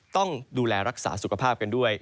ต้องดูแลรักษาสุขภาพกันด้วย